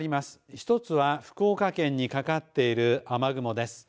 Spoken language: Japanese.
１つは福岡県にかかっている雨雲です。